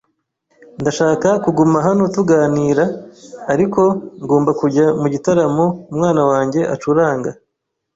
Ndashaka kuguma hano tuganira, ariko ngomba kujya mu gitaramo umwana wanjye acuranga.